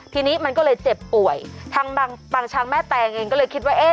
ทีนี้มันก็เลยเจ็บป่วยทางบางปางช้างแม่แตงเองก็เลยคิดว่าเอ๊ะ